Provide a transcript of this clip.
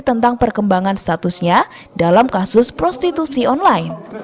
tentang perkembangan statusnya dalam kasus prostitusi online